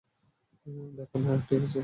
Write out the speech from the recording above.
ব্যাপার না, ঠিক আছে।